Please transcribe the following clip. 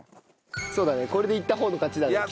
そうだねこれでいった方の勝ちだね。